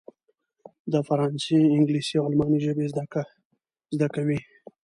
د فرانسې، انګلیسي او الماني ژبې زده کوي.